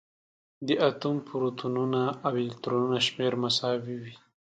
د اتوم پروتونونه او الکترونونه شمېر مساوي وي.